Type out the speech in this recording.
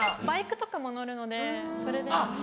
バイクとかも乗るのでそれで。